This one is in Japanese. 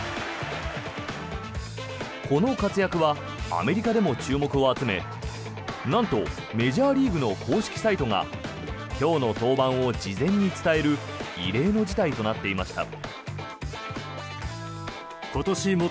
この活躍はアメリカでも注目を集めなんとメジャーリーグの公式サイトが今日の登板を事前に伝える異例の事態となっていました。